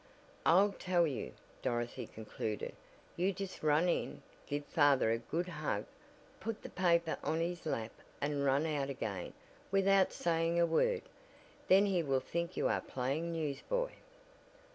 "I'll tell you," Dorothy concluded, "You just run in, give father a good hug, put the paper on his lap and run out again without saying a word. Then he will think you are playing newsboy."